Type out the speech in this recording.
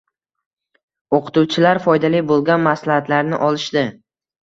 O‘qituvchilar foydali bo‘lgan maslahatlarni olishdi.